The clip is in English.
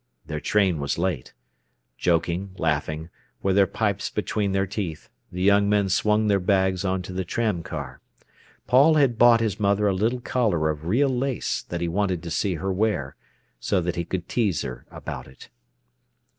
Their train was late. Joking, laughing, with their pipes between their teeth, the young men swung their bags on to the tram car. Paul had bought his mother a little collar of real lace that he wanted to see her wear, so that he could tease her about it.